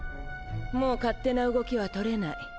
もう勝手な動きは取れない。